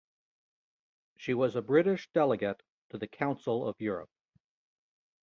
She was a British delegate to the Council of Europe.